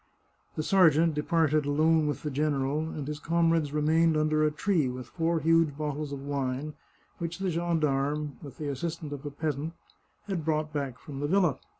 The sergeant departed alone with the general, and his comrades remained under a tree, with four huge bottles of wine which the gendarme, with the assistance of a peasant, had brought back from the villa.